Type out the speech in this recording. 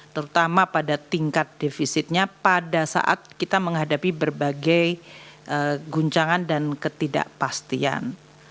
terutama pada tingkat defisitnya pada saat kita menghadapi berbagai guncangan dan ketidakpastian